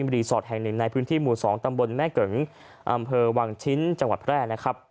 รีสอร์ทแห่งหนึ่งในพื้นที่หมู่๒ตำบลแม่เกิงอำเภอวังชิ้นจังหวัดแพร่นะครับ